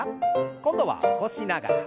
今度は起こしながら。